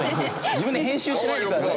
自分で編集しないでください。